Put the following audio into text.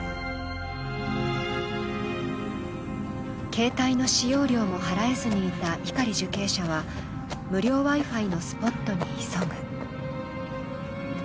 携帯の使用料も払えずにいた碇受刑者は無料Ｗｉ−Ｆｉのスポットに急ぐ。